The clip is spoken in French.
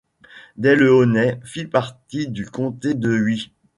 Dès le Honnay fit partie du Comté de Huy.